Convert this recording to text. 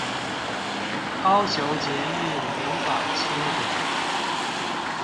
高雄捷運臨港輕軌